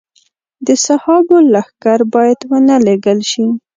د صحابو لښکر باید ونه لېږل شي.